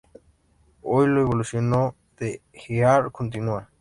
Hoy la evolución de "y’all" continúa.